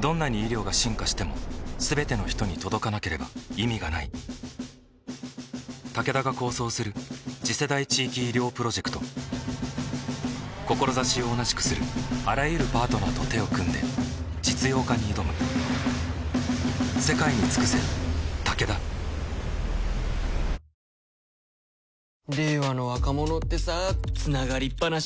どんなに医療が進化しても全ての人に届かなければ意味がないタケダが構想する次世代地域医療プロジェクト志を同じくするあらゆるパートナーと手を組んで実用化に挑む新エッセンスでもっと届きやすく完成！